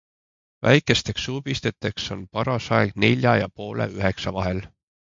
Väikesteks suupisteteks on paras aeg nelja ja poole üheksa vahel.